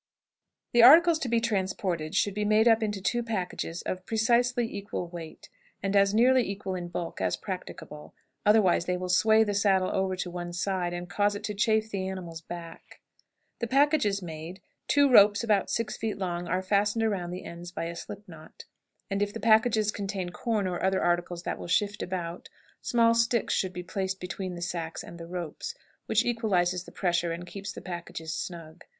The articles to be transported should be made up into two packages of precisely equal weight, and as nearly equal in bulk as practicable, otherwise they will sway the saddle over to one side, and cause it to chafe the animal's back. The packages made, two ropes about six feet long are fastened around the ends by a slip knot, and if the packages contain corn or other articles that will shift about, small sticks should be placed between the sacks and the ropes, which equalizes the pressure and keeps the packages snug.